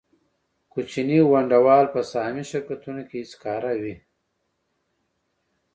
کوچني ونډه وال په سهامي شرکتونو کې هېڅکاره وي